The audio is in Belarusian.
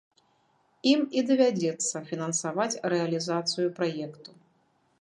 Ім і давядзецца фінансаваць рэалізацыю праекту.